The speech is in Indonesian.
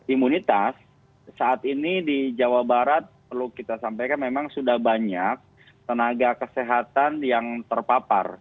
imunitas saat ini di jawa barat perlu kita sampaikan memang sudah banyak tenaga kesehatan yang terpapar